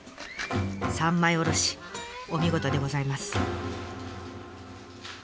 三枚おろしお見事でございます。